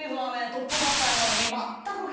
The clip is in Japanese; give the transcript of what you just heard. トップバッターやのに。